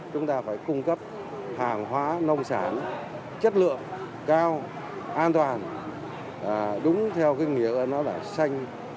chúng ta phải cung cấp hàng hóa nông sản chất lượng cao an toàn đúng theo cái nghĩa nó là xanh